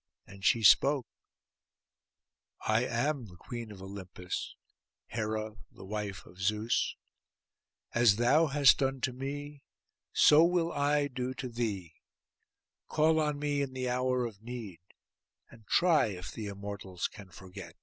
And she spoke, 'I am the Queen of Olympus, Hera the wife of Zeus. As thou hast done to me, so will I do to thee. Call on me in the hour of need, and try if the Immortals can forget.